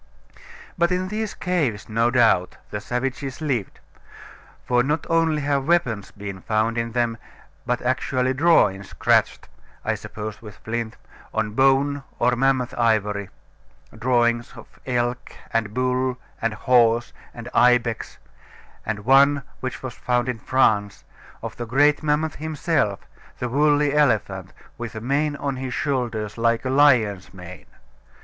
But in these caves, no doubt, the savages lived; for not only have weapons been found in them, but actually drawings scratched (I suppose with flint) on bone or mammoth ivory drawings of elk, and bull, and horse, and ibex and one, which was found in France, of the great mammoth himself, the woolly elephant, with a mane on his shoulders like a lion's mane.